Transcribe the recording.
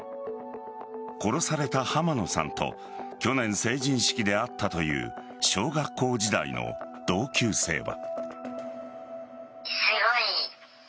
殺された濱野さんと去年、成人式で会ったという小学校時代の同級生は。